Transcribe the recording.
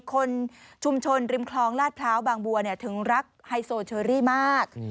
คนชุมชนริมคลองลาดพร้าวบางบัวถึงรักไฮโซเชอรี่มาก